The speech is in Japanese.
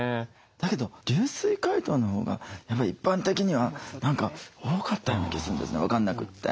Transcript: だけど流水解凍のほうがやっぱり一般的には何か多かったような気するんですね分かんなくて。